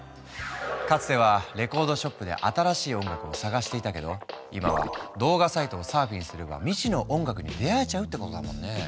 かつてはレコードショップで新しい音楽を探していたけど今は動画サイトをサーフィンすれば未知の音楽に出会えちゃうってことだもんね。